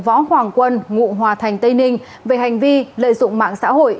võ hoàng quân ngụ hòa thành tây ninh về hành vi lợi dụng mạng xã hội